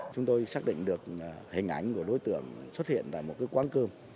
chúng tôi xác định được hình ảnh của đối tượng xuất hiện tại một quán cơm